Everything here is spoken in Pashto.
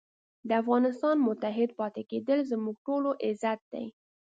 د افغانستان متحد پاتې کېدل زموږ ټولو عزت دی.